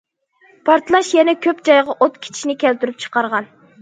پارتلاش يەنە كۆپ جايغا ئوت كېتىشنى كەلتۈرۈپ چىقارغان.